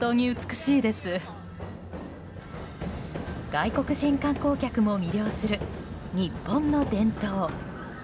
外国人観光客も魅了する日本の伝統。